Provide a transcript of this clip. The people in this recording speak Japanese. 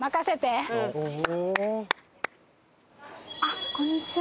あっこんにちは。